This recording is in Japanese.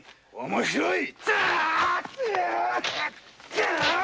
面白い！